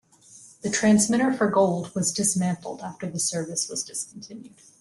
The transmitter for Gold was dismantled after the service was discontinued.